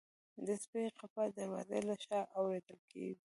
د سپي غپا د دروازې له شا اورېدل کېږي.